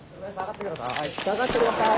下がって下さい。